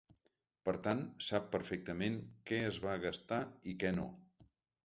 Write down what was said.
Per tant, sap perfectament què es va gastar i què no.